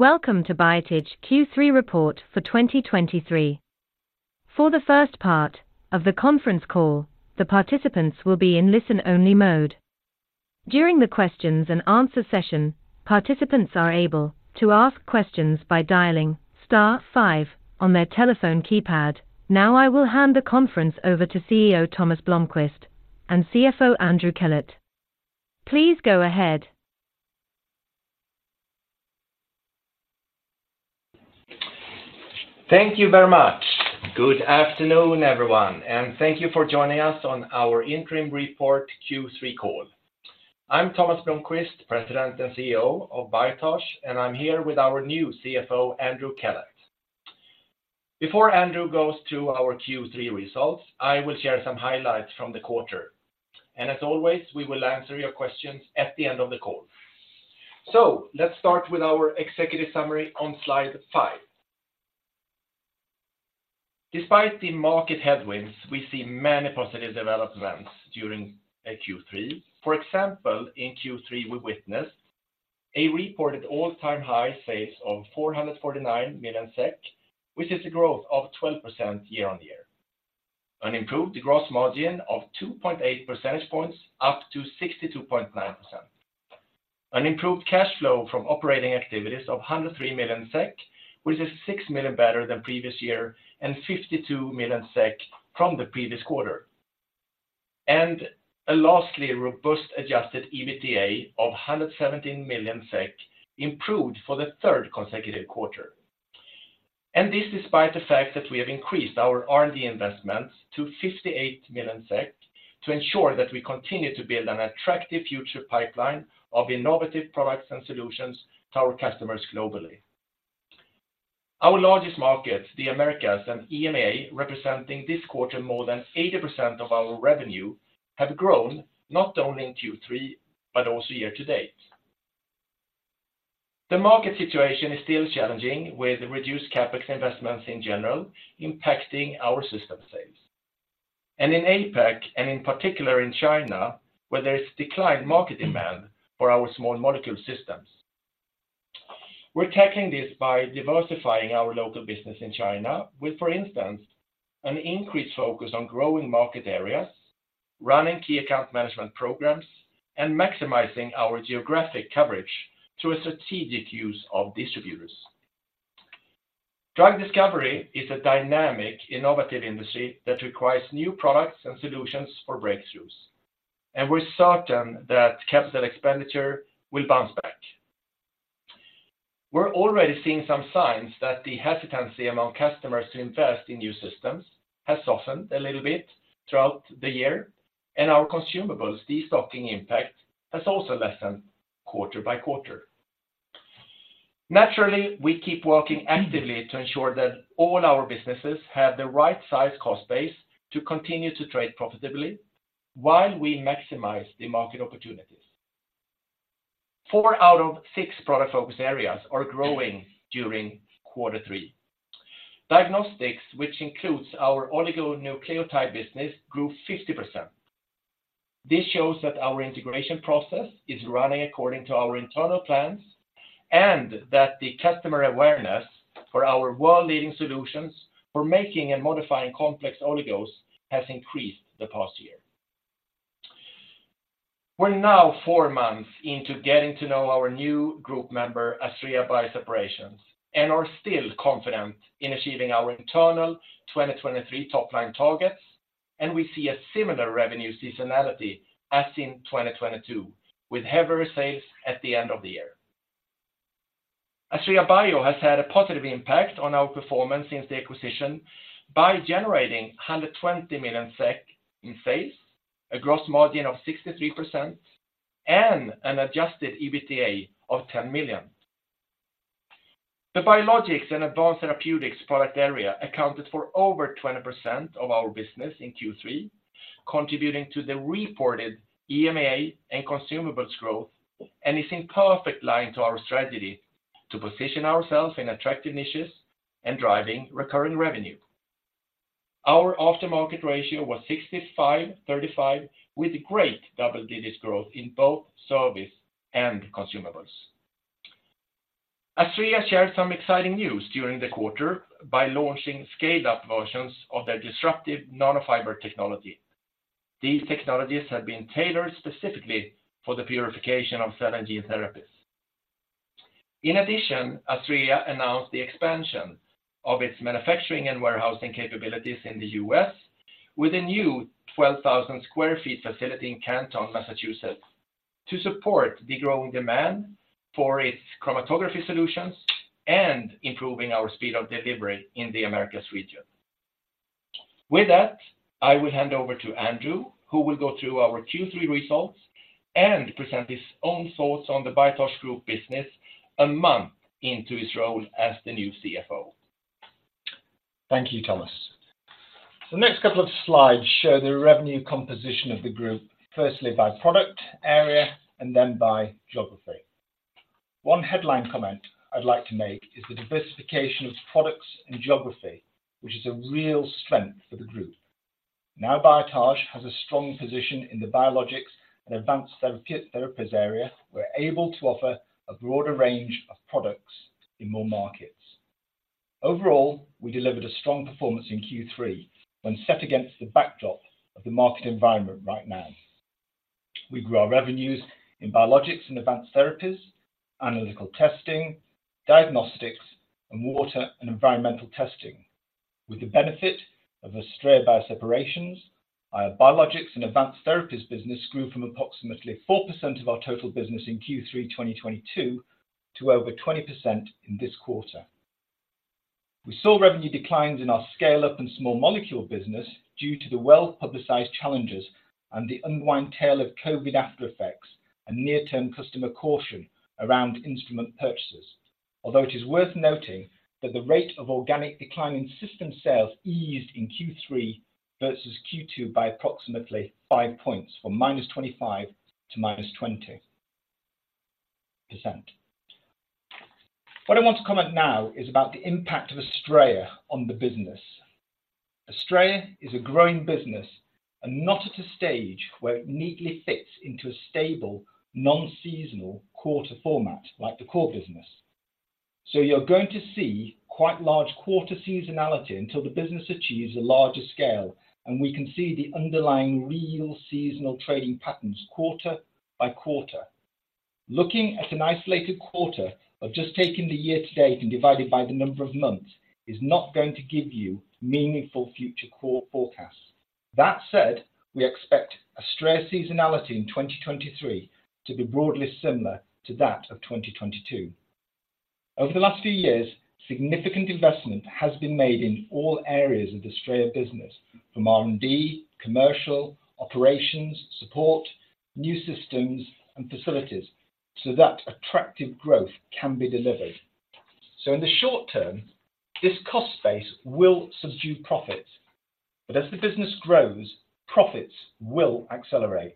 Welcome to Biotage Q3 report for 2023. For the first part of the conference call, the participants will be in listen-only mode. During the questions and answer session, participants are able to ask questions by dialing star five on their telephone keypad. Now, I will hand the conference over to CEO Tomas Blomquist and CFO Andrew Kellett. Please go ahead. Thank you very much. Good afternoon, everyone, and thank you for joining us on our interim report, Q3 call. I'm Tomas Blomquist, President and CEO of Biotage, and I'm here with our new CFO, Andrew Kellett. Before Andrew goes to our Q3 results, I will share some highlights from the quarter, and as always, we will answer your questions at the end of the call. Let's start with our executive summary on slide five. Despite the market headwinds, we see many positive developments during Q3. For example, in Q3, we witnessed a reported all-time high sales of 449 million SEK, which is a growth of 12% year-on-year. An improved gross margin of 2.8 percentage points, up to 62.9%. An improved cash flow from operating activities of 103 million SEK, which is 6 million better than previous year and 52 million SEK from the previous quarter. And lastly, a robust adjusted EBITDA of 117 million SEK, improved for the third consecutive quarter. And this, despite the fact that we have increased our R&D investments to 58 million SEK to ensure that we continue to build an attractive future pipeline of innovative products and solutions to our customers globally. Our largest markets, the Americas and EMEA, representing this quarter more than 80% of our revenue, have grown not only in Q3, but also year-to-date. The market situation is still challenging, with reduced CapEx investments in general impacting our system sales. And in APAC, and in particular in China, where there is declined market demand for our small molecule systems. We're tackling this by diversifying our local business in China with, for instance, an increased focus on growing market areas, running key account management programs, and maximizing our geographic coverage through a strategic use of distributors. Drug discovery is a dynamic, innovative industry that requires new products and solutions for breakthroughs, and we're certain that capital expenditure will bounce back. We're already seeing some signs that the hesitancy among customers to invest in new systems has softened a little bit throughout the year, and our consumables de-stocking impact has also lessened quarter by quarter. Naturally, we keep working actively to ensure that all our businesses have the right size cost base to continue to trade profitably while we maximize the market opportunities. Four out of six product focus areas are growing during quarter three. Diagnostics, which includes our oligonucleotide business, grew 50%. This shows that our integration process is running according to our internal plans and that the customer awareness for our world-leading solutions for making and modifying complex oligos has increased the past year. We're now four months into getting to know our new group member, Astrea Bioseparations, and are still confident in achieving our internal 2023 top-line targets, and we see a similar revenue seasonality as in 2022, with heavier sales at the end of the year. Astrea Bioseparations has had a positive impact on our performance since the acquisition by generating 120 million SEK in sales, a gross margin of 63%, and an adjusted EBITDA of 10 million. The biologics and advanced therapeutics product area accounted for over 20% of our business in Q3, contributing to the reported EMEA and consumables growth, and is in perfect line to our strategy to position ourselves in attractive niches and driving recurring revenue. Our aftermarket ratio was 65/35, with great double-digit growth in both service and consumables. Astrea shared some exciting news during the quarter by launching scaled-up versions of their disruptive nanofiber technology. These technologies have been tailored specifically for the purification of cell and gene therapies. In addition, Astrea announced the expansion of its manufacturing and warehousing capabilities in the U.S. with a new 12,000 sq ft facility in Canton, Massachusetts, to support the growing demand for its chromatography solutions and improving our speed of delivery in the Americas region. With that, I will hand over to Andrew, who will go through our Q3 results and present his own thoughts on the Biotage group business a month into his role as the new CFO. Thank you, Tomas. The next couple of slides show the revenue composition of the group, firstly by product area, and then by geography. One headline comment I'd like to make is the diversification of products and geography, which is a real strength for the group. Now, Biotage has a strong position in the biologics and advanced therapies area. We're able to offer a broader range of products in more markets. Overall, we delivered a strong performance in Q3 when set against the backdrop of the market environment right now. We grew our revenues in biologics and advanced therapies, analytical testing, diagnostics, and water and environmental testing. With the benefit of Astrea Bioseparations, our biologics and advanced therapies business grew from approximately 4% of our total business in Q3 2022 to over 20% in this quarter. We saw revenue declines in our scaleup and small molecule business due to the well-publicized challenges and the unwind tail of COVID after effects and near-term customer caution around instrument purchases. Although it is worth noting that the rate of organic decline in system sales eased in Q3 versus Q2 by approximately five points, from -25% to -20%. What I want to comment now is about the impact of Astrea on the business. Astrea is a growing business and not at a stage where it neatly fits into a stable, non-seasonal quarter format like the core business. So you're going to see quite large quarter seasonality until the business achieves a larger scale, and we can see the underlying real seasonal trading patterns quarter by quarter. Looking at an isolated quarter of just taking the year to date and divide it by the number of months, is not going to give you meaningful future core forecasts. That said, we expect Astrea seasonality in 2023 to be broadly similar to that of 2022. Over the last few years, significant investment has been made in all areas of the Astrea business, from R&D, commercial, operations, support, new systems and facilities, so that attractive growth can be delivered. In the short term, this cost base will subdue profits, but as the business grows, profits will accelerate,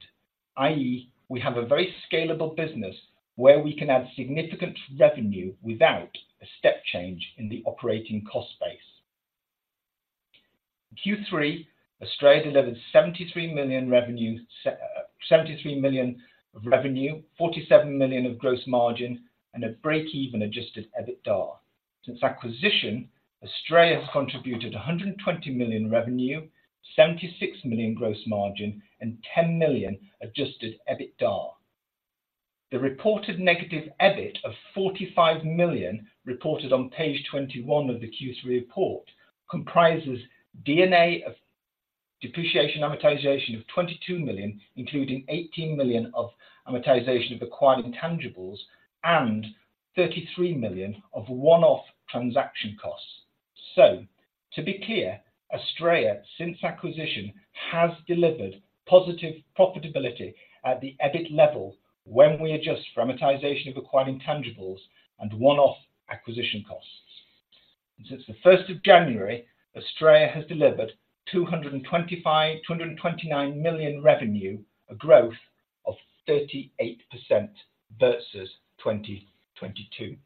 i.e., we have a very scalable business where we can add significant revenue without a step change in the operating cost base. In Q3, Astrea delivered 73 million revenue, 73 million of revenue, 47 million of gross margin, and a break-even adjusted EBITDA. Since acquisition, Astrea has contributed 120 million revenue, 76 million gross margin, and 10 million adjusted EBITDA. The reported negative EBIT of 45 million, reported on page 21 of the Q3 report, comprises D&A of depreciation and amortization of 22 million, including 18 million of amortization of acquired intangibles, and 33 million of one-off transaction costs. So to be clear, Astrea, since acquisition, has delivered positive profitability at the EBIT level when we adjust for amortization of acquired intangibles and one-off acquisition costs. Since the first of January, Astrea has delivered 229 million revenue, a growth of 38% versus 2022.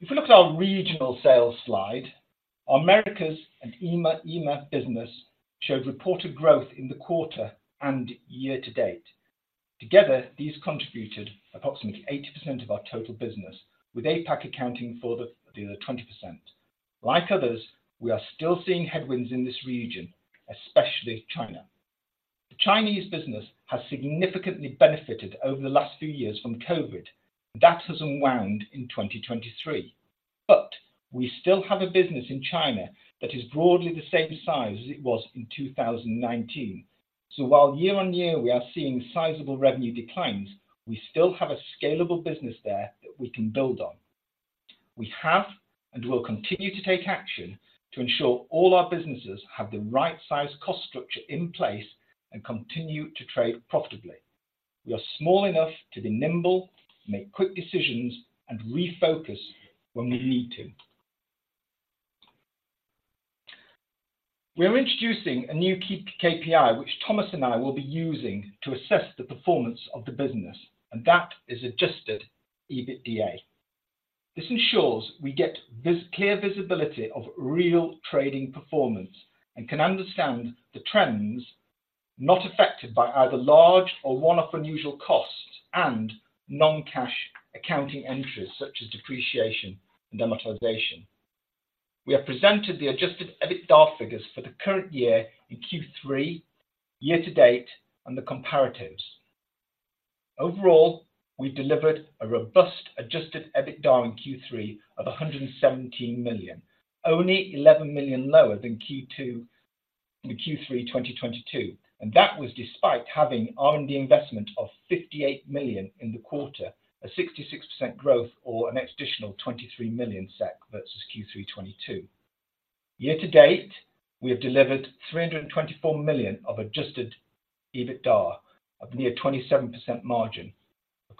If you look at our regional sales slide, our Americas and EMEA, EMEA business showed reported growth in the quarter and year to date. Together, these contributed approximately 80% of our total business, with APAC accounting for the other 20%. Like others, we are still seeing headwinds in this region, especially China. The Chinese business has significantly benefited over the last few years from COVID, and that has unwound in 2023. But we still have a business in China that is broadly the same size as it was in 2019. So while year-on-year we are seeing sizable revenue declines, we still have a scalable business there that we can build on. We have, and will continue to take action to ensure all our businesses have the right size cost structure in place and continue to trade profitably. We are small enough to be nimble, make quick decisions, and refocus when we need to. We are introducing a new key KPI, which Tomas and I will be using to assess the performance of the business, and that is adjusted EBITDA. This ensures we get clear visibility of real trading performance and can understand the trends not affected by either large or one-off unusual costs and non-cash accounting entries, such as depreciation and amortization. We have presented the adjusted EBITDA figures for the current year in Q3, year to date, and the comparatives. Overall, we delivered a robust adjusted EBITDA in Q3 of 117 million, only 11 million lower than Q2 and Q3 2022, and that was despite having R&D investment of 58 million in the quarter, a 66% growth or an additional 23 million SEK versus Q3 2022. Year to date, we have delivered 324 million of adjusted EBITDA, of near 27% margin.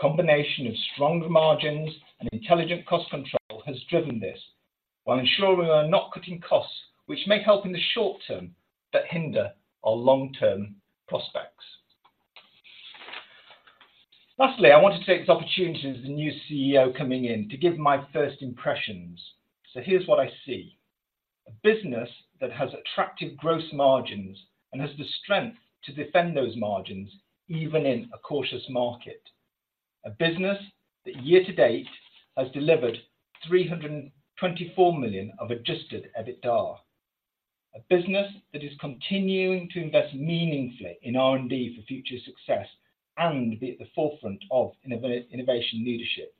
A combination of stronger margins and intelligent cost control has driven this, while ensuring we are not cutting costs, which may help in the short term, but hinder our long-term prospects. Lastly, I want to take this opportunity as the new CEO coming in to give my first impressions. So here's what I see: a business that has attractive gross margins and has the strength to defend those margins, even in a cautious market. A business that year to date has delivered 324 million of adjusted EBITDA. A business that is continuing to invest meaningfully in R&D for future success and be at the forefront of innovation leadership.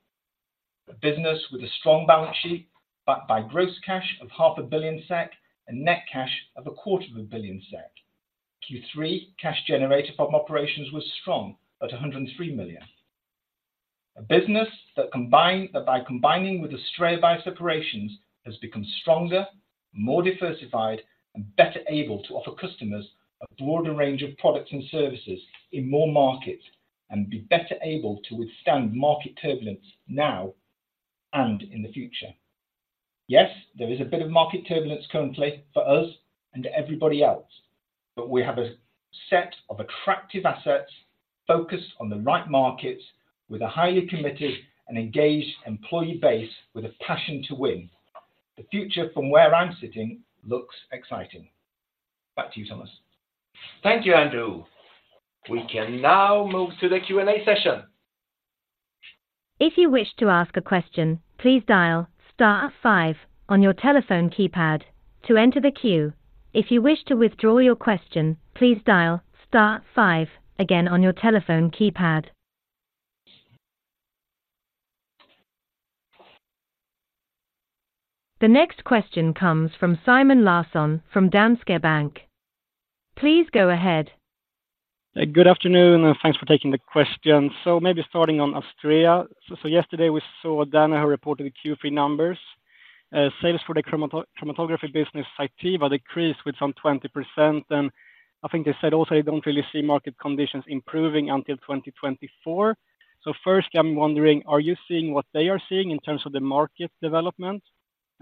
A business with a strong balance sheet, backed by gross cash of 500 million SEK, and net cash of 250 million SEK. Q3 cash generated from operations was strong at 103 million. A business that combined, that by combining with the Astrea Bioseparations, has become stronger, more diversified, and better able to offer customers a broader range of products and services in more markets, and be better able to withstand market turbulence now and in the future. Yes, there is a bit of market turbulence currently for us and everybody else, but we have a set of attractive assets focused on the right markets with a highly committed and engaged employee base with a passion to win. The future from where I'm sitting, looks exciting. Back to you, Tomas. Thank you, Andrew. We can now move to the Q&A session. If you wish to ask a question, please dial star five on your telephone keypad to enter the queue. If you wish to withdraw your question, please dial star five again on your telephone keypad. The next question comes from Simon Larsson from Danske Bank. Please go ahead. Good afternoon, and thanks for taking the question. So maybe starting on Astrea. So yesterday, we saw Danaher reported the Q3 numbers. Sales for the chromatography business, Cytiva, decreased with some 20%, and I think they said also, they don't really see market conditions improving until 2024. So first, I'm wondering, are you seeing what they are seeing in terms of the market development?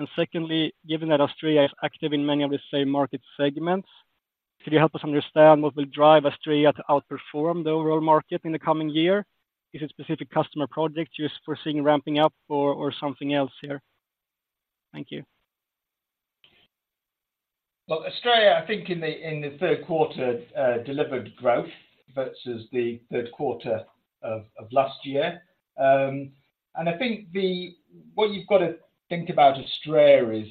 And secondly, given that Astrea is active in many of the same market segments, could you help us understand what will drive Astrea to outperform the overall market in the coming year? Is it specific customer projects you're foreseeing ramping up or, or something else here? Thank you. Well, Astrea, I think in the third quarter delivered growth versus the third quarter of last year. And I think the... What you've got to think about Astrea is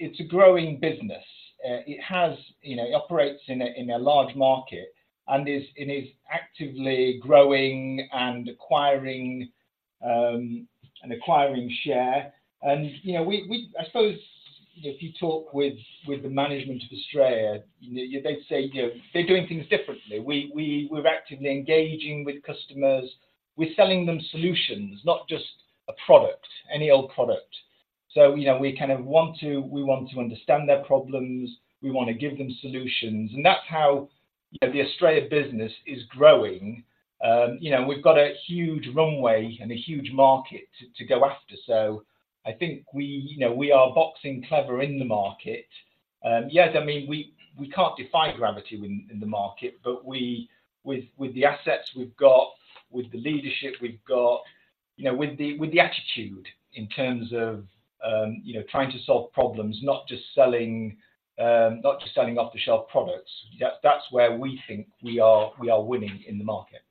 it's a growing business. It has, you know, it operates in a large market and is actively growing and acquiring share. And, you know, we-- I suppose if you talk with the management of Astrea, they'd say, you know, they're doing things differently. We're actively engaging with customers. We're selling them solutions, not just a product, any old product. So, you know, we kind of want to, we want to understand their problems, we want to give them solutions, and that's how the Astrea business is growing. You know, we've got a huge runway and a huge market to go after. So I think we, you know, we are boxing clever in the market. Yes, I mean, we, we can't defy gravity in, in the market, but we, with, with the assets we've got, with the leadership we've got, you know, with the, with the attitude in terms of, you know, trying to solve problems, not just selling, not just selling off-the-shelf products, that's where we think we are, we are winning in the market.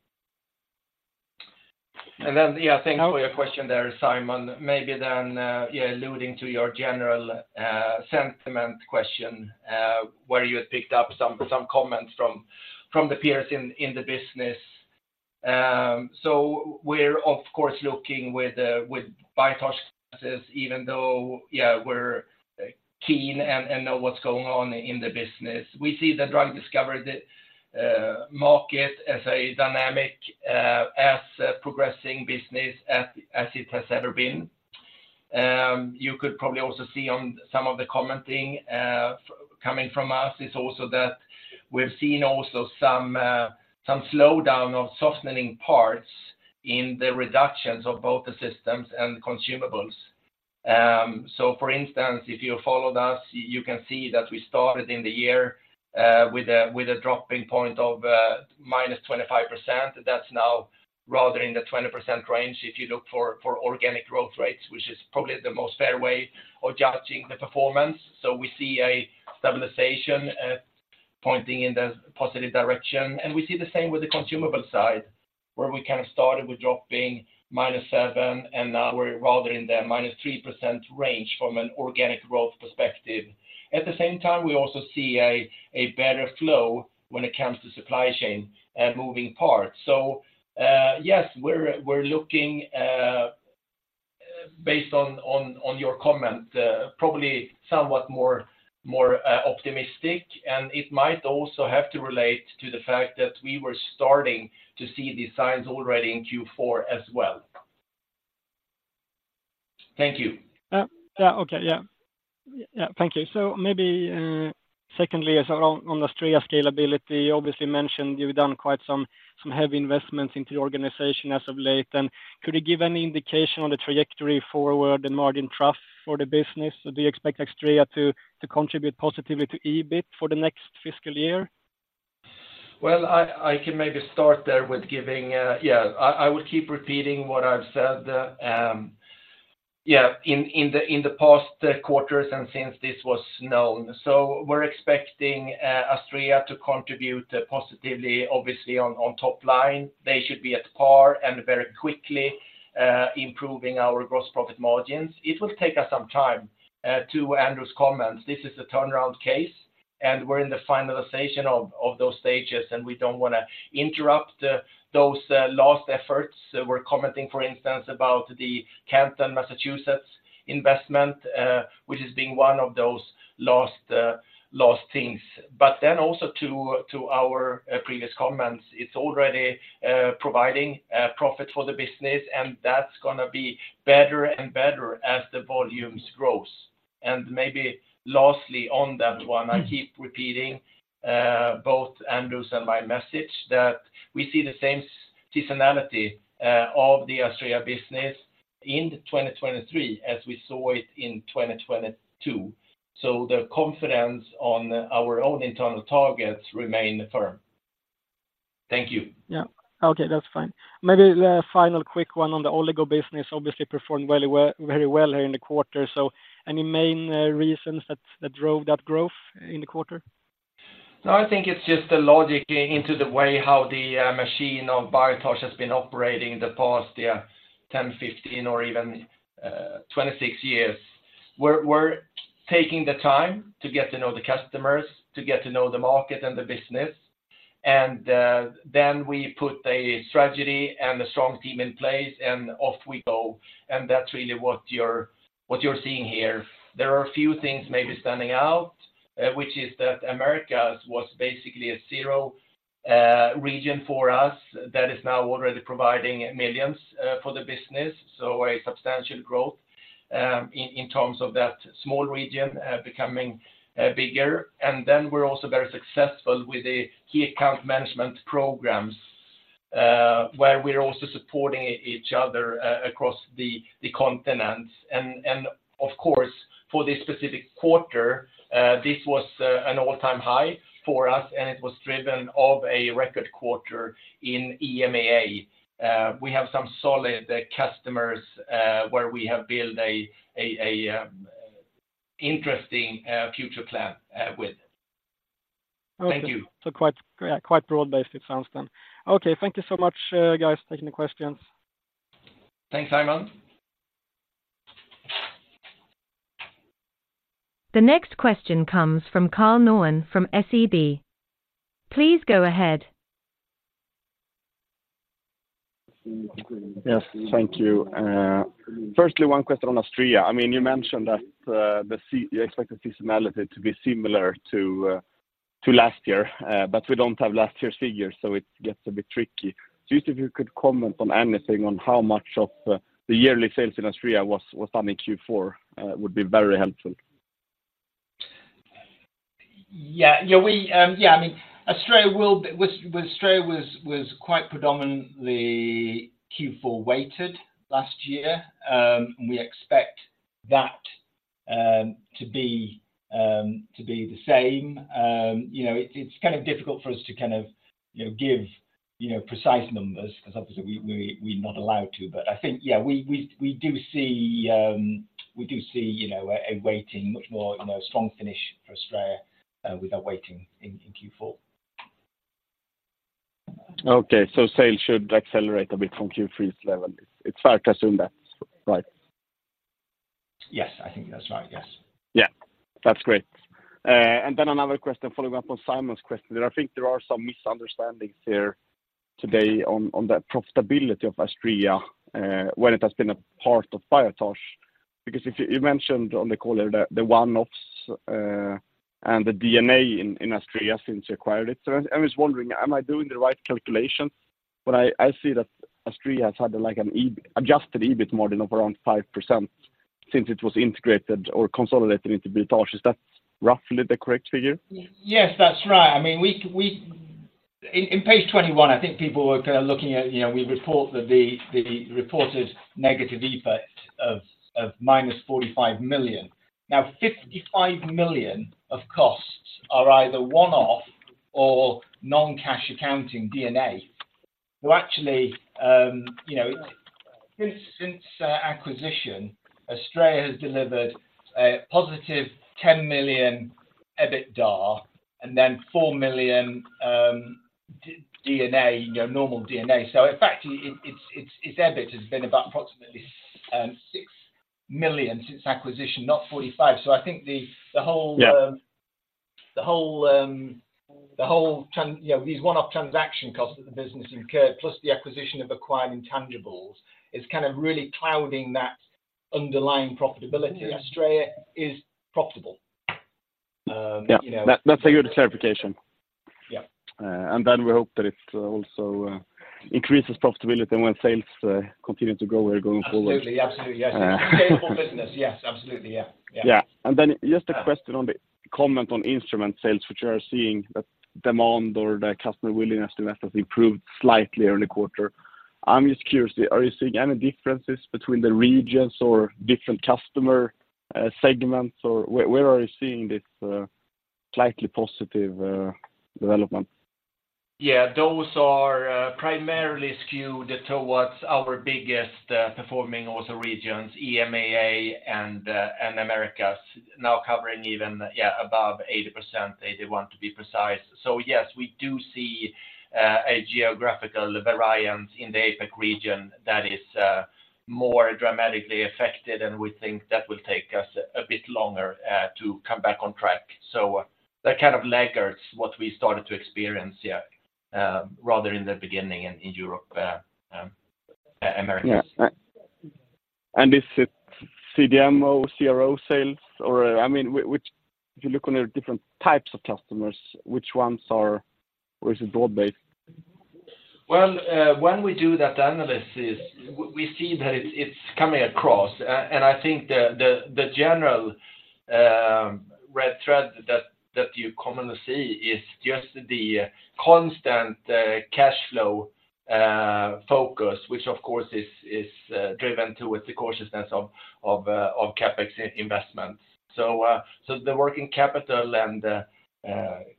And then, yeah, thank you for your question there, Simon. Maybe then, yeah, alluding to your general sentiment question, where you had picked up some comments from the peers in the business. So we're of course looking with biotech, even though, yeah, we're keen and know what's going on in the business. We see the drug discovery market as a dynamic as a progressing business, as it has ever been. You could probably also see on some of the commenting coming from us is also that we've seen also some slowdown or softening parts in the reductions of both the systems and consumables. So for instance, if you followed us, you can see that we started in the year with a dropping point of -25%. That's now rather in the 20% range if you look for organic growth rates, which is probably the most fair way of judging the performance. So we see a stabilization pointing in the positive direction, and we see the same with the consumable side, where we kind of started with dropping -7%, and now we're rather in the -3% range from an organic growth perspective. At the same time, we also see a better flow when it comes to supply chain moving parts. So, yes, we're looking based on your comment, probably somewhat more optimistic, and it might also have to relate to the fact that we were starting to see these signs already in Q4 as well. Thank you. Yeah, okay. Yeah. Yeah, thank you. So maybe, secondly, so on Astrea scalability, you obviously mentioned you've done quite some heavy investments into the organization as of late. And could you give any indication on the trajectory forward and margin trust for the business? Do you expect Astrea to contribute positively to EBIT for the next fiscal year? ... Well, I can maybe start there with giving. Yeah, I will keep repeating what I've said, yeah, in the past quarters and since this was known. So we're expecting Astrea to contribute positively, obviously, on top line. They should be at par and very quickly improving our gross profit margins. It will take us some time to Andrew's comments. This is a turnaround case, and we're in the finalization of those stages, and we don't wanna interrupt those last efforts. We're commenting, for instance, about the Canton, Massachusetts, investment, which is being one of those last things. But then also to our previous comments, it's already providing profit for the business, and that's gonna be better and better as the volumes grows. And maybe lastly, on that one, I keep repeating both Andrew's and my message that we see the same seasonality of the Astrea business in 2023 as we saw it in 2022. So the confidence on our own internal targets remain firm. Thank you. Yeah. Okay, that's fine. Maybe the final quick one on the Oligo Business, obviously performed very well, very well here in the quarter. So any main reasons that drove that growth in the quarter? No, I think it's just a logic into the way how the machine of Biotage has been operating in the past, yeah, 10, 15, or even 26 years. We're taking the time to get to know the customers, to get to know the market and the business, and then we put a strategy and a strong team in place, and off we go, and that's really what you're seeing here. There are a few things maybe standing out, which is that Americas was basically a zero region for us that is now already providing millions for the business, so a substantial growth in terms of that small region becoming bigger. And then we're also very successful with the key account management programs, where we're also supporting each other across the continents. Of course, for this specific quarter, this was an all-time high for us, and it was driven of a record quarter in EMEA. We have some solid customers where we have built an interesting future plan with. Thank you. So quite, yeah, quite broad-based, it sounds then. Okay, thank you so much, guys, taking the questions. Thanks, Simon. The next question comes from Karl Norén from SEB. Please go ahead. Yes, thank you. Firstly, one question on Astrea. I mean, you mentioned that you expect the seasonality to be similar to last year, but we don't have last year's figures, so it gets a bit tricky. So just if you could comment on anything on how much of the yearly sales in Astrea was done in Q4 would be very helpful. Yeah, yeah, we... Yeah, I mean, Astrea will be, was, well Astrea was quite predominantly Q4 weighted last year. And we expect that to be the same. You know, it's kind of difficult for us to kind of give precise numbers, because obviously we're not allowed to. But I think, yeah, we do see a weighting, much more strong finish for Astrea with our weighting in Q4. Okay, so sales should accelerate a bit from Q3's level. It's fair to assume that, right? Yes, I think that's right, yes. Yeah. That's great. And then another question, following up on Simon's question, that I think there are some misunderstandings here today on the profitability of Astrea when it has been a part of Biotage. Because you mentioned on the call here that the one-offs and the D&A in Astrea since you acquired it. So I was wondering, am I doing the right calculations? But I see that Astrea has had, like, an EBIT, adjusted EBIT margin of around 5% since it was integrated or consolidated into Biotage. Is that roughly the correct figure? Yes, that's right. I mean, we in page 21, I think people were kinda looking at, you know, we report that the reported negative effect of minus 45 million. Now, 55 million of costs are either one-off or non-cash accounting D&A, who actually, you know, since acquisition, Astrea has delivered a positive 10 million EBITDA and then 4 million D&A, you know, normal D&A. So in fact, it's its EBIT has been about approximately 6 million since acquisition, not 45. So I think the whole. Yeah... The whole transaction, you know, these one-off transaction costs that the business incurred, plus the acquisition of acquired intangibles, is kind of really clouding that underlying profitability. Astrea is profitable, you know? Yeah. That, that's a good clarification. Yeah. And then we hope that it also increases profitability when sales continue to grow here going forward. Absolutely. Absolutely, yes. Scalable business. Yes, absolutely. Yeah. Yeah. Yeah. And then just a question on the comment on instrument sales, which you are seeing that demand or the customer willingness to invest has improved slightly during the quarter.... I'm just curious, are you seeing any differences between the regions or different customer, segments, or where, where are you seeing this, slightly positive, development? Yeah, those are primarily skewed towards our biggest performing also regions, EMEA and Americas, now covering even, yeah, above 80%, 81 to be precise. So yes, we do see a geographical variance in the APAC region that is more dramatically affected, and we think that will take us a bit longer to come back on track. So that kind of laggards what we started to experience rather in the beginning in Europe and Americas. Yeah. And is it CDMO, CRO sales, or, I mean, which, if you look on the different types of customers, which ones are, or is it broad-based? Well, when we do that analysis, we see that it's coming across. And I think the general red thread that you commonly see is just the constant cash flow focus, which, of course, is driven towards the cautiousness of CapEx investments. So, the working capital and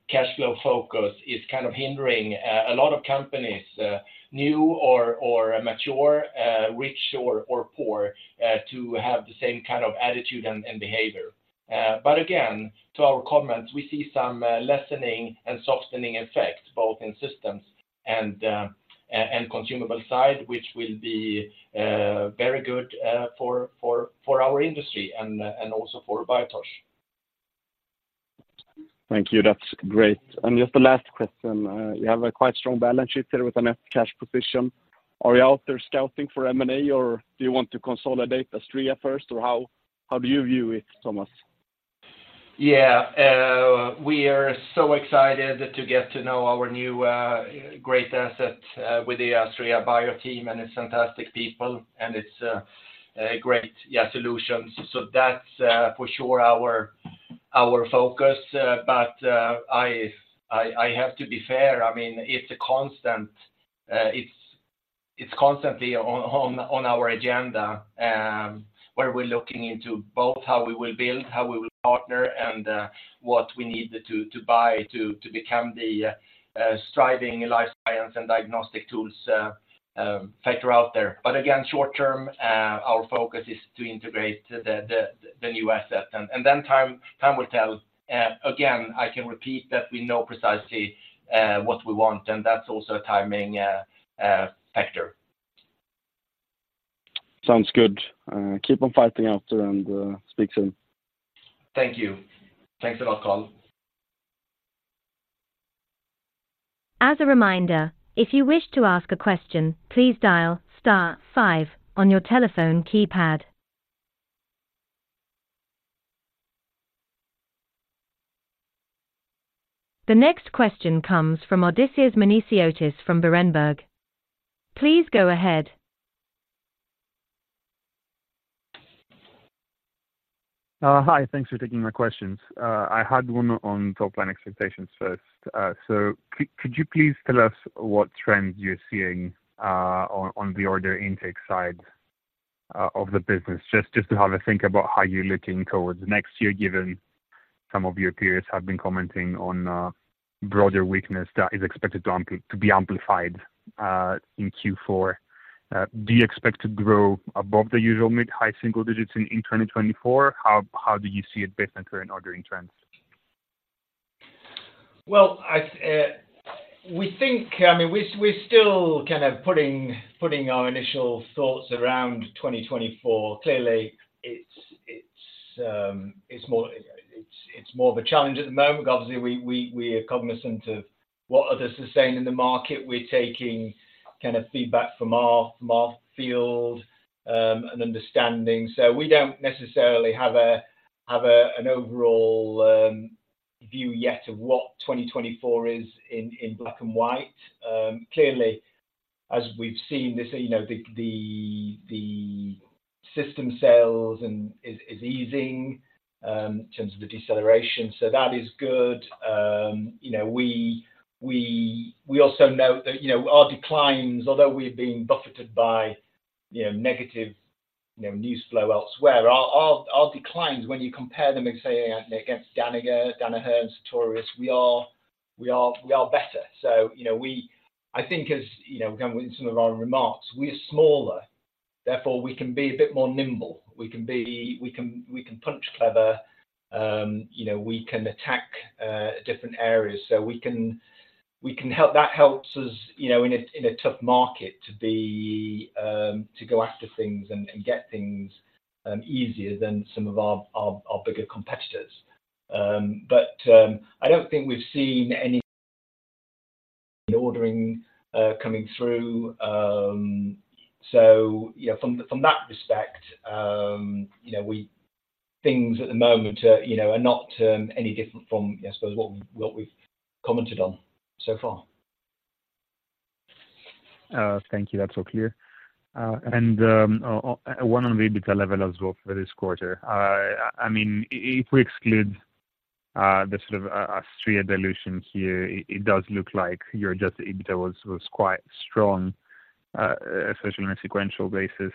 cash flow focus is kind of hindering a lot of companies, new or mature, rich or poor, to have the same kind of attitude and behavior. But again, to our comments, we see some lessening and softening effects both in systems and consumable side, which will be very good for our industry and also for Biotage. Thank you. That's great. And just the last question, you have a quite strong balance sheet with a net cash position. Are you out there scouting for M&A, or do you want to consolidate Astrea first, or how, how do you view it, Tomas? Yeah, we are so excited to get to know our new great asset with the Astrea Bio team and its fantastic people, and it's a great, yeah, solutions. So that's for sure our focus, but I have to be fair, I mean, it's constantly on our agenda, where we're looking into both how we will build, how we will partner, and what we need to buy to become the striving life science and diagnostic tools factor out there. But again, short term, our focus is to integrate the new asset, and then time will tell. Again, I can repeat that we know precisely what we want, and that's also a timing factor. Sounds good. Keep on fighting out there, and speak soon. Thank you. Thanks a lot, Karl. As a reminder, if you wish to ask a question, please dial star five on your telephone keypad. The next question comes from Odysseas Manesiotis from Berenberg. Please go ahead. Hi, thanks for taking my questions. I had one on top-line expectations first. So could you please tell us what trends you're seeing on the order intake side of the business, just to have a think about how you're looking towards next year, given some of your peers have been commenting on broader weakness that is expected to be amplified in Q4. Do you expect to grow above the usual mid-high single digits in 2024? How do you see it based on current ordering trends? Well, I think, I mean, we're still kind of putting our initial thoughts around 2024. Clearly, it's more of a challenge at the moment. Obviously, we are cognizant of what others are saying in the market. We're taking kind of feedback from our field and understanding. So we don't necessarily have a, have an overall view yet of what 2024 is in black and white. Clearly, as we've seen this, you know, the system sales and is easing in terms of the deceleration, so that is good. You know, we also know that, you know, our declines, although we've been buffeted by, you know, negative, you know, news flow elsewhere, our declines, when you compare them, let's say against Danaher and Sartorius, we are better. So, you know, I think as, you know, again, with some of our remarks, we are smaller, therefore, we can be a bit more nimble. We can punch clever, you know, we can attack different areas. So we can help. That helps us, you know, in a tough market to go after things and get things easier than some of our bigger competitors. But I don't think we've seen any ordering coming through. So, you know, from that respect, you know, things at the moment, you know, are not any different from, I suppose, what we've commented on so far. Thank you. That's all clear. And one on the EBITDA level as well for this quarter. I mean, if we exclude the sort of Astrea dilution here, it does look like your adjusted EBITDA was quite strong, especially on a sequential basis.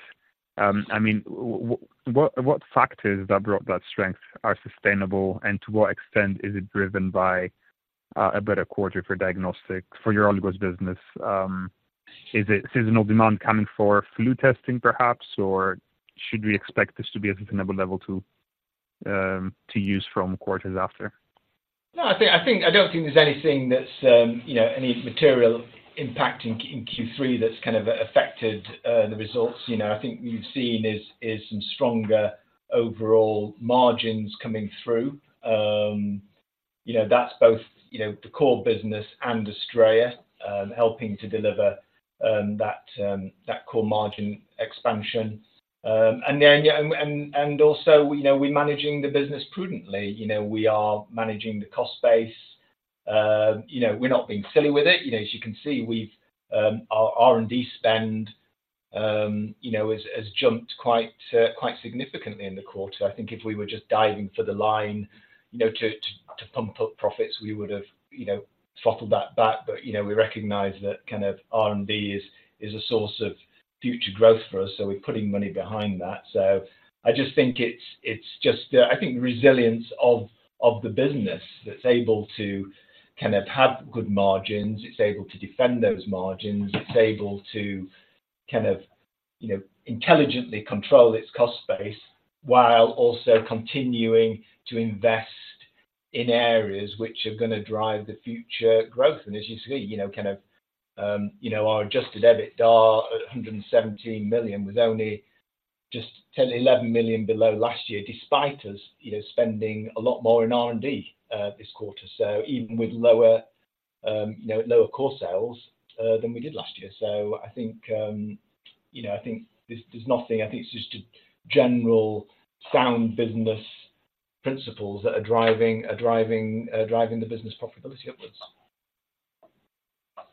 I mean, what factors that brought that strength are sustainable, and to what extent is it driven by a better quarter for diagnostic for your oligos business? Is it seasonal demand coming for flu testing, perhaps, or should we expect this to be a sustainable level to use from quarters after? No, I think, I think I don't think there's anything that's, you know, any material impact in Q3 that's kind of affected the results. You know, I think you've seen is some stronger overall margins coming through. You know, that's both, you know, the core business and Astrea helping to deliver that core margin expansion. And then, yeah, and also, you know, we're managing the business prudently. You know, we are managing the cost base. You know, we're not being silly with it. You know, as you can see, we've our R&D spend, you know, has jumped quite significantly in the quarter. I think if we were just diving for the line, you know, to pump up profits, we would have, you know, throttled that back. But, you know, we recognize that kind of R&D is a source of future growth for us, so we're putting money behind that. So I just think it's just the, I think, resilience of the business that's able to kind of have good margins, it's able to defend those margins. It's able to kind of, you know, intelligently control its cost base, while also continuing to invest in areas which are gonna drive the future growth. And as you see, you know, kind of, our adjusted EBITDA at 117 million was only just 10 million-11 million below last year, despite us, you know, spending a lot more in R&D this quarter. So even with lower, you know, lower core sales than we did last year. So I think, you know, I think there's nothing. I think it's just generally sound business principles that are driving the business profitability upwards.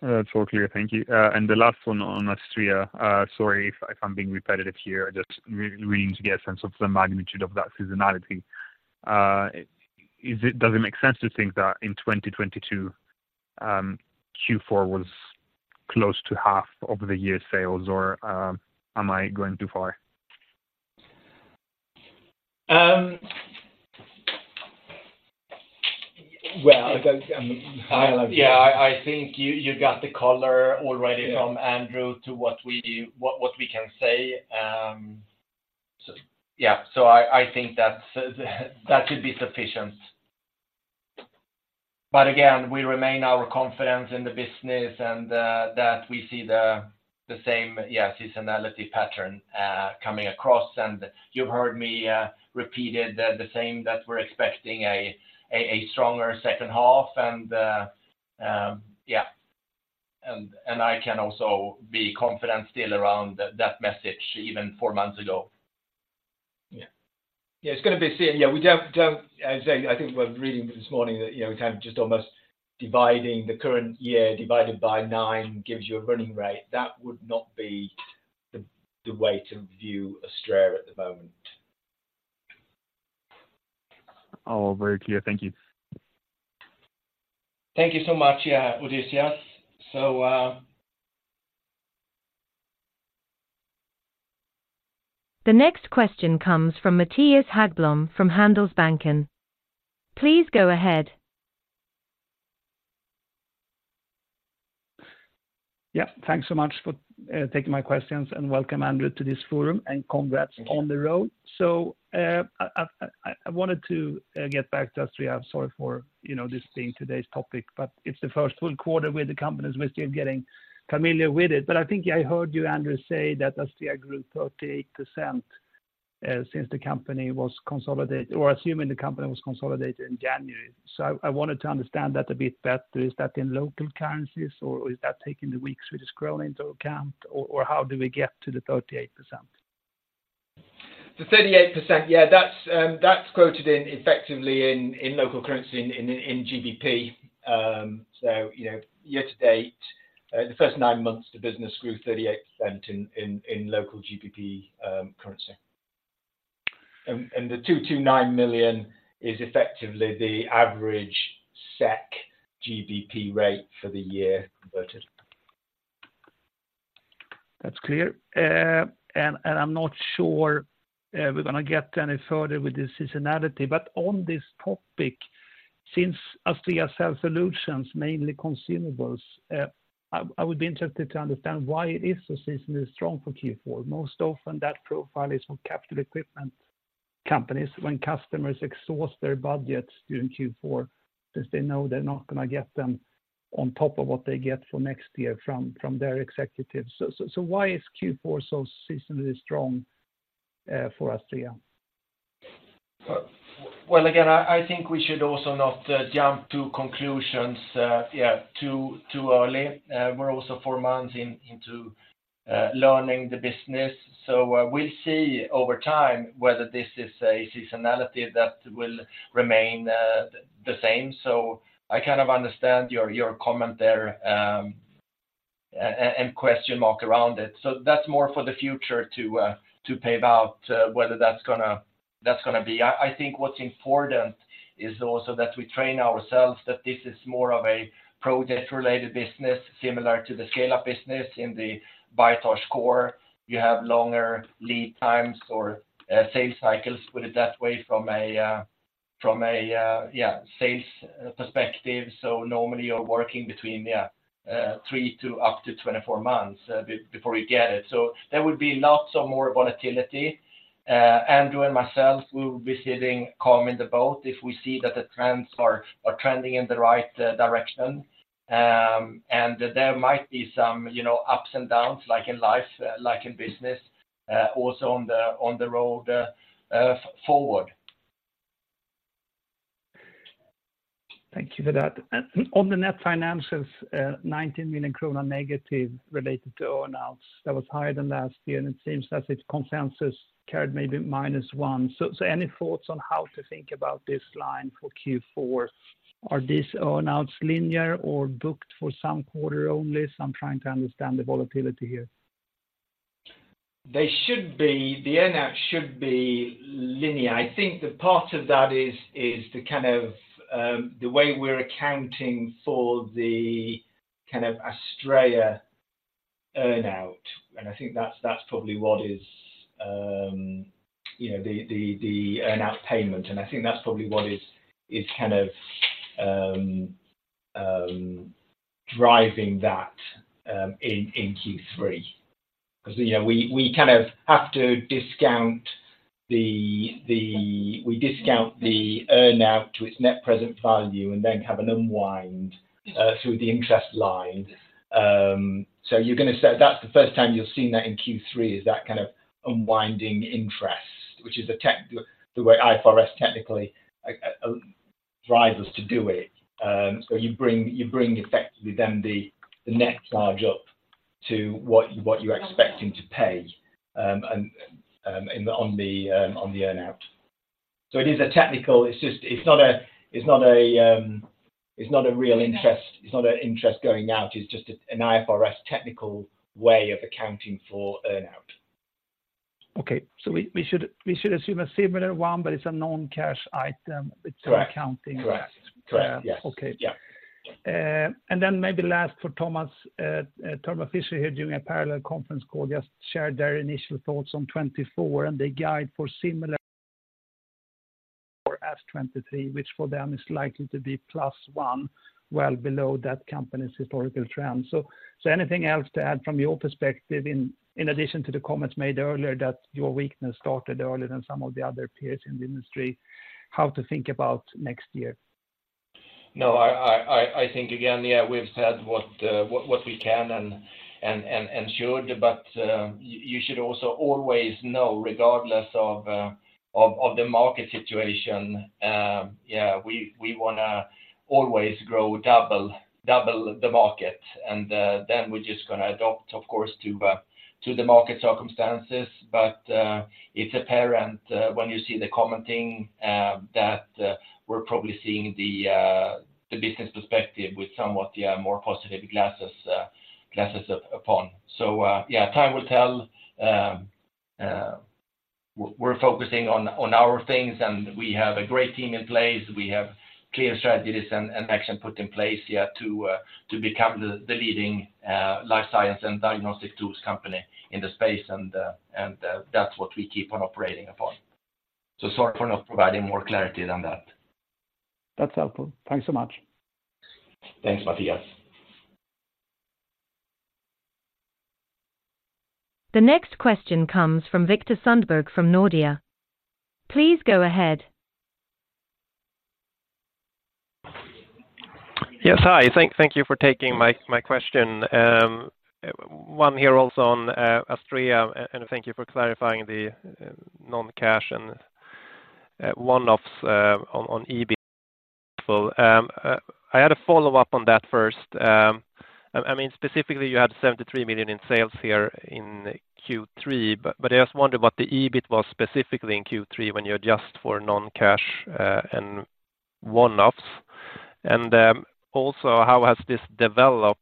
That's all clear. Thank you. And the last one on Astrea. Sorry if I'm being repetitive here. I'm just re-reading to get a sense of the magnitude of that seasonality. Is it, does it make sense to think that in 2022, Q4 was close to half of the year sales, or, am I going too far? Well, I think you got the color already. Yeah. From Andrew to what we can say. So yeah. So I think that should be sufficient. But again, we remain our confidence in the business and that we see the same, yeah, seasonality pattern coming across. And you've heard me repeated the same, that we're expecting a stronger second half, and yeah. And I can also be confident still around that message even four months ago. Yeah. Yeah, it's gonna be. Yeah, we don't. I'd say I think we're reading this morning that, you know, kind of just almost dividing the current year, divided by nine, gives you a running rate. That would not be the way to view Astrea at the moment. O h, very clear. Thank you. Thank you so much, Odysseas. So, The next question comes from Mattias Häggblom, from Handelsbanken. Please go ahead. Yeah, thanks so much for taking my questions, and welcome, Andrew, to this forum, and congrats on the role. Thank you. So, I wanted to get back to Astrea. Sorry for, you know, this being today's topic, but it's the first full quarter with the company, so we're still getting familiar with it. But I think I heard you, Andrew, say that Astrea grew 38%, since the company was consolidated, or assuming the company was consolidated in January. So I wanted to understand that a bit better. Is that in local currencies, or is that taking the weak Swedish Krona into account, or how do we get to the 38%? The 38%, yeah, that's quoted in effectively in GBP. So you know, year to date, the first nine months, the business grew 38% in local GBP currency. The 229 million is effectively the average SEK GBP rate for the year converted. That's clear. And I'm not sure we're gonna get any further with the seasonality, but on this topic, since Astrea sell solutions, mainly consumables, I would be interested to understand why it is so seasonally strong for Q4. Most often that profile is from capital equipment companies when customers exhaust their budgets during Q4 because they know they're not gonna get them on top of what they get for next year from their executives. So why is Q4 so seasonally strong for Astrea? Well, again, I think we should also not jump to conclusions, yeah, too early. We're also four months into learning the business. So, we'll see over time whether this is a seasonality that will remain the same. So I kind of understand your comment there, and question mark around it. So that's more for the future to play out, whether that's gonna be. I think what's important is also that we train ourselves, that this is more of a project-related business, similar to the scale of business in the Biotage core. You have longer lead times or sales cycles, put it that way, from a sales perspective. So normally, you're working between three to up to 24 months before you get it. So there would be lots of more volatility. Andrew and myself, we will be sitting calm in the boat if we see that the trends are trending in the right direction. And there might be some, you know, ups and downs, like in life, like in business, also on the road forward. Thank you for that. On the net finances, 19 million kronor negative related to earn-outs, that was higher than last year, and it seems as if consensus carried maybe minus 1 million. So any thoughts on how to think about this line for Q4? Are these earn-outs linear or booked for some quarter only? So I'm trying to understand the volatility here. They should be, the earn-out should be linear. I think the part of that is the kind of the way we're accounting for the kind of Astrea earn-out, and I think that's probably what is, you know, the earn-out payment, and I think that's probably what is kind of driving that in Q3. Because, you know, we kind of have to discount the earn-out to its net present value and then have an unwind through the interest line. So you're gonna say that's the first time you've seen that in Q3, is that kind of unwinding interest, which is the technical way IFRS technically drives us to do it. So you bring effectively then the net charge up to what you're expecting to pay, and on the earn-out. So it is a technical... It's just, it's not a real interest. It's not an interest going out. It's just an IFRS technical way of accounting for earn-out. Okay. So we should assume a similar one, but it's a non-cash item- Correct. -it's accounting. Correct. Correct. Yes. Okay. Yeah. And then maybe last for Tomas. Thermo Fisher here, during a parallel conference call, just shared their initial thoughts on 2024, and they guide for similar or as 2023, which for them is likely to be +1, well below that company's historical trend. So, so anything else to add from your perspective in, in addition to the comments made earlier, that your weakness started earlier than some of the other peers in the industry, how to think about next year? No, I think again, yeah, we've said what we can and should, but you should also always know, regardless of the market situation, yeah, we wanna always grow double the market. And then we're just gonna adopt, of course, to the market circumstances. But it's apparent when you see the commenting that we're probably seeing the business perspective with somewhat more positive glasses up upon. So yeah, time will tell. We're focusing on our things, and we have a great team in place. We have clear strategies and action put in place here to become the leading life science and diagnostic tools company in the space, and that's what we keep on operating upon. So sorry for not providing more clarity than that. That's helpful. Thanks so much. Thanks, Mattias. The next question comes from Viktor Sundberg, from Nordea. Please go ahead. Yes, hi. Thank you for taking my question. One here also on Astrea, and thank you for clarifying the non-cash and one-offs on EBIT. I had a follow-up on that first. I mean, specifically, you had 73 million in sales here in Q3, but I just wondered what the EBIT was specifically in Q3 when you adjust for non-cash and one-offs. And also, how has this developed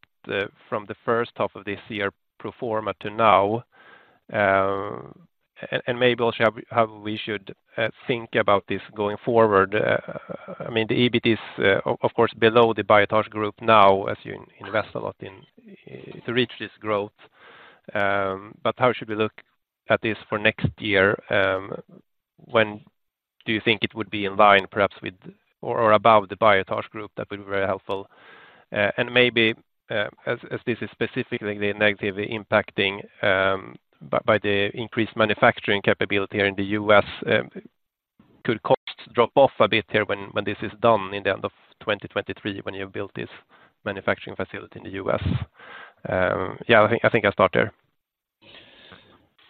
from the first half of this year pro forma to now? And maybe also how we should think about this going forward. I mean, the EBIT is, of course, below the Biotage group now, as you invest a lot in to reach this growth. But how should we look at this for next year? When do you think it would be in line, perhaps with, or above the Biotage group? That would be very helpful. And maybe, as this is specifically negatively impacting by the increased manufacturing capability here in the U.S., could cost drop off a bit here when this is done in the end of 2023, when you build this manufacturing facility in the U.S.? Yeah, I think I'll start there.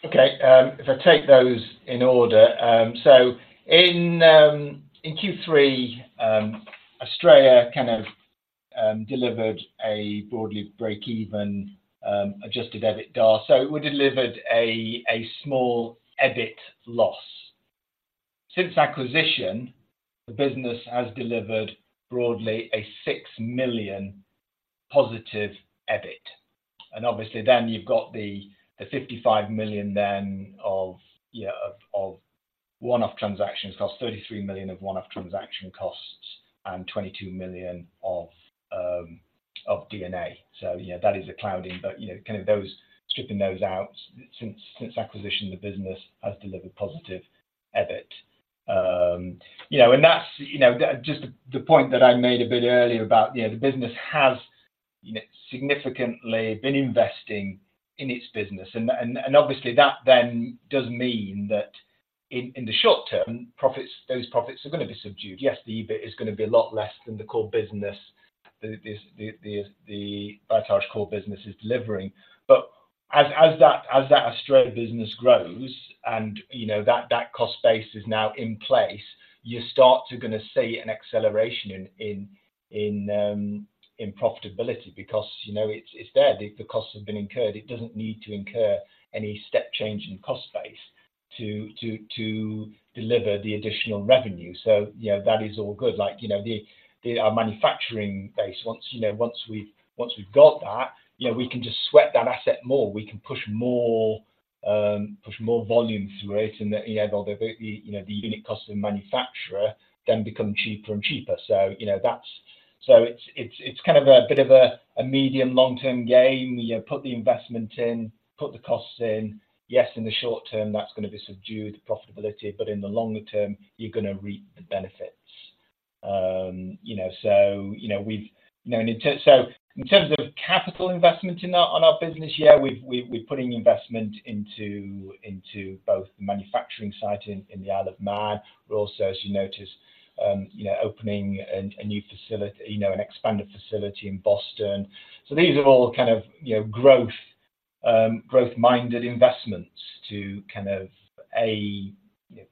Okay, if I take those in order. So in Q3, Astrea kind of delivered a broadly break-even adjusted EBITDA, so it would delivered a small EBIT loss. Since acquisition, the business has delivered broadly 6 million positive EBIT. And obviously, then you've got the 55 million then of one-off transactions, cost 33 million of one-off transaction costs and 22 million of D&A. So yeah, that is a clouding, but you know, kind of those stripping those out since acquisition, the business has delivered positive EBIT. You know, and that's you know, that just the point that I made a bit earlier about you know, the business has you know, significantly been investing in its business. Obviously, that then does mean that in the short term, profits, those profits are gonna be subdued. Yes, the EBIT is gonna be a lot less than the core business, the Biotage core business is delivering. But as that Astrea business grows and, you know, that cost base is now in place, you start to gonna see an acceleration in profitability because, you know, it's there. The costs have been incurred. It doesn't need to incur any step change in cost base to deliver the additional revenue. So, you know, that is all good. Like, you know, our manufacturing base, once we've got that, you know, we can just sweat that asset more. We can push more, push more volume through it, and then, yeah, you know, the unit cost of manufacturer then become cheaper and cheaper. So, you know, that's so it's, it's kind of a bit of a medium long-term game. You know, put the investment in, put the costs in. Yes, in the short term, that's gonna be subdued profitability, but in the longer term, you're gonna reap the benefits. You know, so, you know, we've, you know, so in terms of capital investment in our, on our business, yeah, we've, we've, we're putting investment into, into both the manufacturing site in the Isle of Man. We're also, as you noticed, you know, opening a new facility, you know, an expanded facility in Boston. So these are all kind of, you know, growth-minded investments to kind of, you know,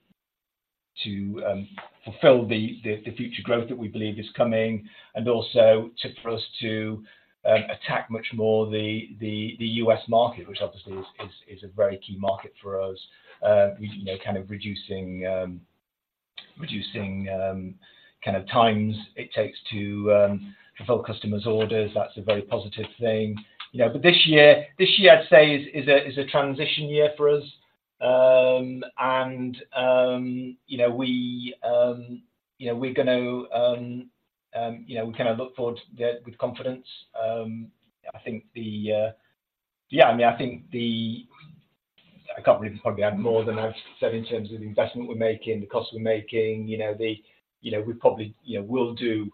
to fulfill the future growth that we believe is coming, and also for us to attack much more the US market, which obviously is a very key market for us. You know, kind of reducing kind of times it takes to fulfill customers' orders. That's a very positive thing. You know, but this year, I'd say, is a transition year for us. And, you know, we're gonna, you know, we kind of look forward to that with confidence. I think the... Yeah, I mean, I think the, I can't really probably add more than I've said in terms of the investment we're making, the costs we're making. You know, the, you know, we probably, you know, we'll do,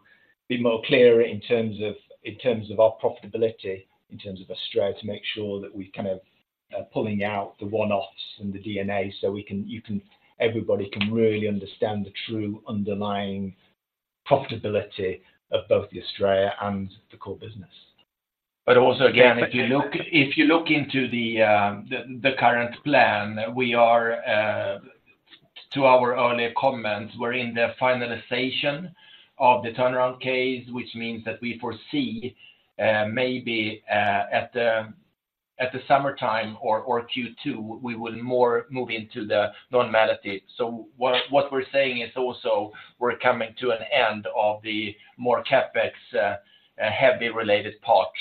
be more clearer in terms of, in terms of our profitability, in terms of Astrea, to make sure that we kind of, pulling out the one-offs and the D&A, so we can, you can, everybody can really understand the true underlying profitability of both the Astrea and the core business. But also, again, if you look into the current plan, to our earlier comments, we're in the finalization of the turnaround case, which means that we foresee, maybe, at the summertime or Q2, we will more move into the normality. So what we're saying is also we're coming to an end of the more CapEx heavy related parts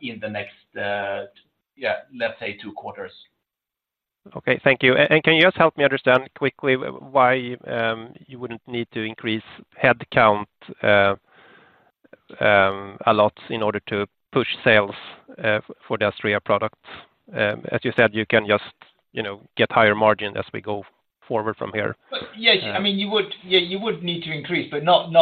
in the next, yeah, let's say two quarters. Okay, thank you. Can you just help me understand quickly why you wouldn't need to increase headcount a lot in order to push sales for the Astrea products? As you said, you can just, you know, get higher margin as we go forward from here. Well, yes. I mean, you would, yeah, you would need to increase, but not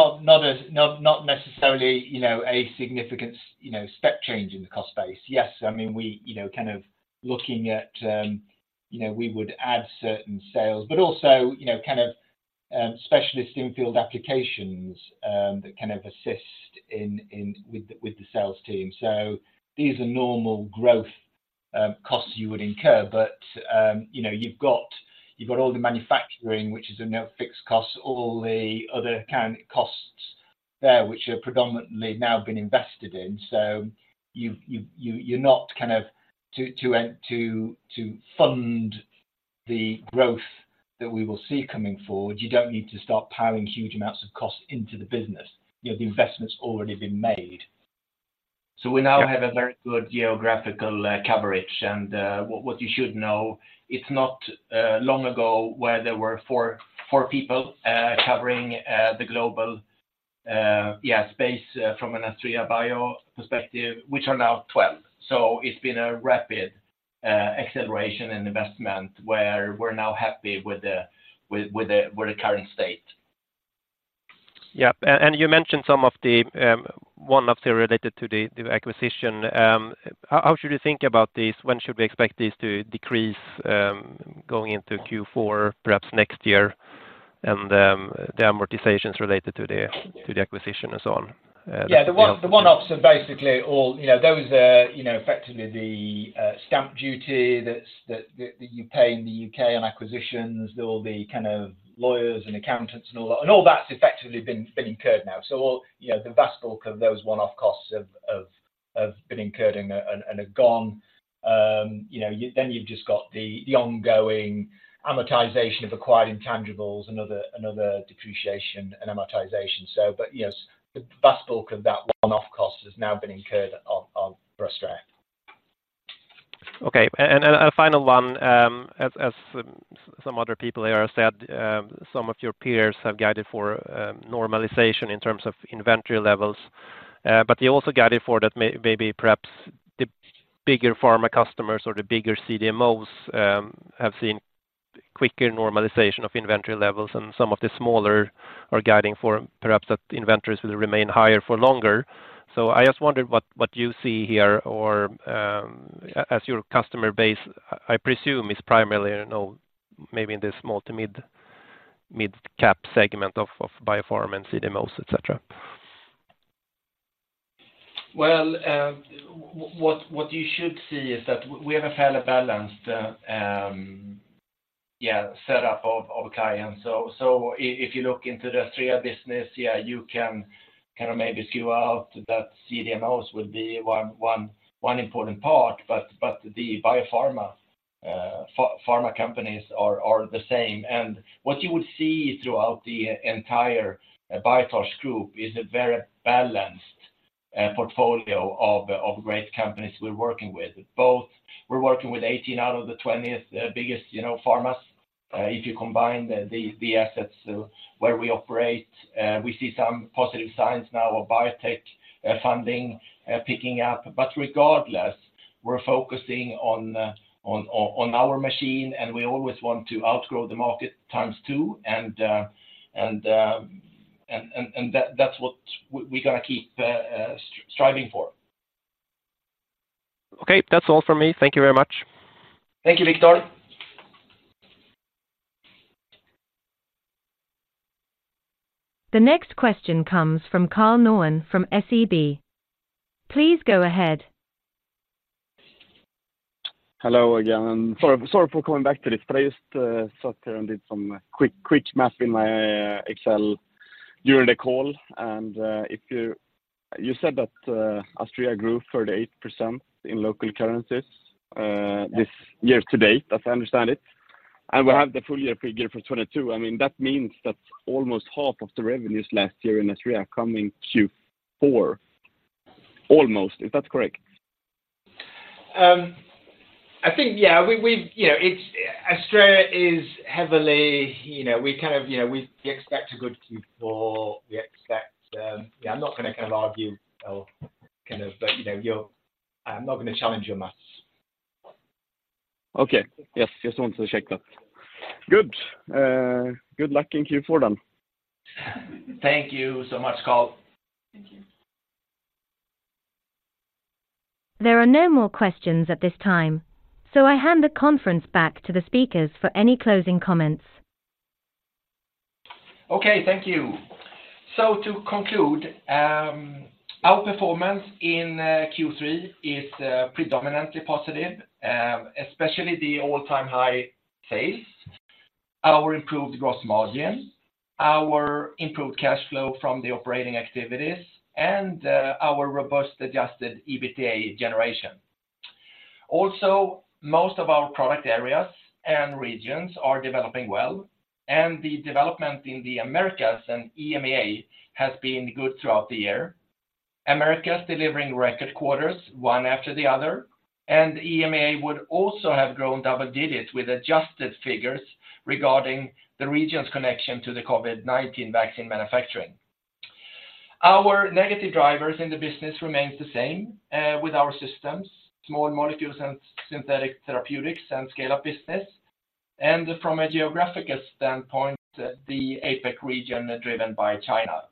necessarily, you know, a significant, you know, step change in the cost base. Yes, I mean, we, you know, kind of looking at, you know, we would add certain sales, but also, you know, kind of specialist in-field applications that kind of assist in with the sales team. So these are normal growth costs you would incur, but, you know, you've got, you've got all the manufacturing, which is now a fixed cost, all the other kind of costs there, which are predominantly now been invested in. So you, you're not kind of to fund the growth that we will see coming forward, you don't need to start piling huge amounts of costs into the business. You know, the investment's already been made. So we now have a very good geographical coverage, and what you should know, it's not long ago where there were four people covering the global space, yeah, from an Astrea Bio perspective, which are now 12. So it's been a rapid acceleration and investment where we're now happy with the current state. Yeah, and you mentioned some of the one-offs related to the acquisition. How should we think about this? When should we expect this to decrease going into Q4, perhaps next year, and the amortizations related to the acquisition and so on? Yeah, the one, the one-offs are basically all, you know, those are, you know, effectively the stamp duty that's that you pay in the UK on acquisitions. There will be kind of lawyers and accountants and all that, and all that's effectively been incurred now. So all, you know, the vast bulk of those one-off costs have been incurred and are gone. You know, then you've just got the ongoing amortization of acquired intangibles and other depreciation and amortization. So but yes, the vast bulk of that one-off cost has now been incurred on Astrea. Okay. And a final one, as some other people here have said, some of your peers have guided for normalization in terms of inventory levels. But they also guided for that maybe perhaps the bigger pharma customers or the bigger CDMOs have seen quicker normalization of inventory levels, and some of the smaller are guiding for perhaps that inventories will remain higher for longer. So I just wondered what you see here or as your customer base, I presume, is primarily, you know, maybe in the small to mid-cap segment of biopharma and CDMOs, et cetera. Well, what you should see is that we have a fairly balanced, yeah, setup of clients. So if you look into the Astrea business, yeah, you can kind of maybe skew out that CDMOs would be one important part, but the biopharma, pharma companies are the same. And what you would see throughout the entire Biotage Group is a very balanced, portfolio of great companies we're working with. We're working with 18 out of the 20th, biggest, you know, pharmas. If you combine the assets where we operate, we see some positive signs now of biotech funding picking up. But regardless, we're focusing on our machine, and we always want to outgrow the market times two, and that's what we're gonna keep striving for. Okay, that's all from me. Thank you very much. Thank you, Viktor. The next question comes from Karl Norén from SEB. Please go ahead. Hello again. Sorry, sorry for coming back to this, but I just sat here and did some quick, quick math in my Excel during the call. And, if you... You said that Astrea grew 38% in local currencies this year to date, as I understand it, and we have the full year figure for 2022. I mean, that means that almost half of the revenues last year in Astrea come in Q4, almost. Is that correct? I think, yeah, we, we've -- you know, it's Astrea is heavily... You know, we kind of, you know, we expect a good Q4. We expect, yeah, I'm not gonna argue or kind of, but, you know, you're... I'm not gonna challenge your math. Okay. Yes, just wanted to check that. Good. Good luck in Q4 then. Thank you so much, Karl. Thank you. There are no more questions at this time, so I hand the conference back to the speakers for any closing comments. Okay, thank you. So to conclude, our performance in Q3 is predominantly positive, especially the all-time high sales, our improved gross margin, our improved cash flow from the operating activities, and our robust adjusted EBITDA generation. Also, most of our product areas and regions are developing well, and the development in the Americas and EMEA has been good throughout the year. Americas delivering record quarters, one after the other, and EMEA would also have grown double digits with adjusted figures regarding the region's connection to the COVID-19 vaccine manufacturing. Our negative drivers in the business remains the same, with our systems, small molecules and synthetic therapeutics and scale up business, and from a geographical standpoint, the APAC region, driven by China.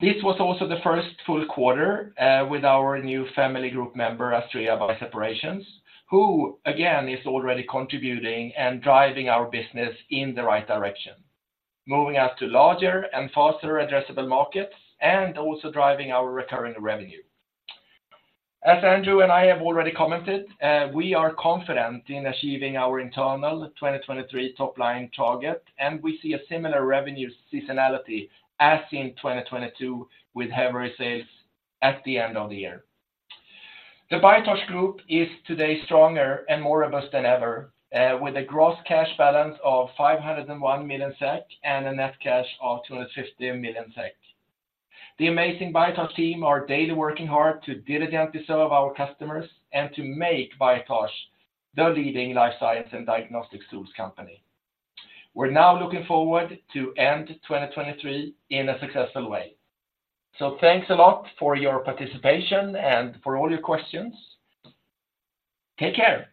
This was also the first full quarter with our new family group member, Astrea Bioseparations, who, again, is already contributing and driving our business in the right direction, moving us to larger and faster addressable markets and also driving our recurring revenue. As Andrew and I have already commented, we are confident in achieving our internal 2023 top line target, and we see a similar revenue seasonality as in 2022, with heavier sales at the end of the year. The Biotage Group is today stronger and more robust than ever, with a gross cash balance of 501 million SEK and a net cash of 250 million SEK. The amazing Biotage team are daily working hard to diligently serve our customers and to make Biotage the leading life science and diagnostic tools company. We're now looking forward to end 2023 in a successful way. So thanks a lot for your participation and for all your questions. Take care.